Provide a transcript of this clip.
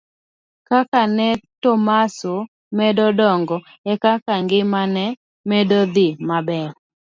Kaka ne Tomaso medo dongo ekaka ngima ne medo dhi maber.